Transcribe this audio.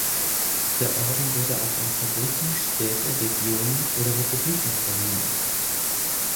Der Orden wurde auch an Fabriken, Städte, Regionen oder Republiken verliehen.